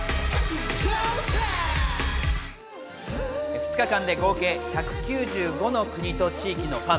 ２日間で合計１９５の国と地域のファン